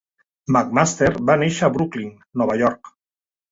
McMaster va néixer a Brooklyn, Nova York.